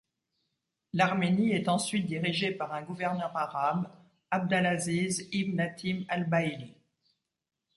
L'Arménie est ensuite dirigée par un gouverneur arabe, Abd al-Azîz ibn Hâtim al-Bâhilî.